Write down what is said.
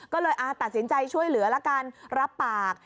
ก็เลยตัดสินใจช่วยเหลือละกันรับปาก